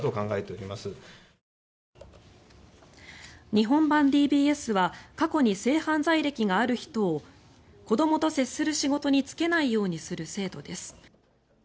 日本版ＤＢＳは過去に性犯罪歴がある人を子どもと接する仕事に就けないようにする制度です。